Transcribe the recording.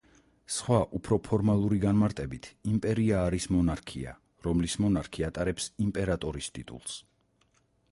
სხვა, უფრო ფორმალური განმარტებით იმპერია არის მონარქია, რომლის მონარქი ატარებს იმპერატორის ტიტულს.